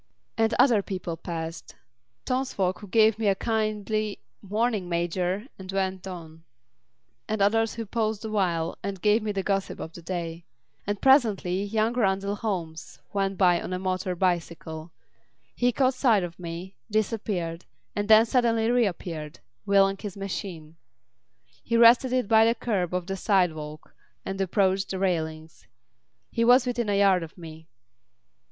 And other people passed. Townsfolk who gave me a kindly "Morning, Major!" and went on, and others who paused awhile and gave me the gossip of the day. And presently young Randall Holmes went by on a motor bicycle. He caught sight of me, disappeared, and then suddenly reappeared, wheeling his machine. He rested it by the kerb of the sidewalk and approached the railings. He was within a yard of me.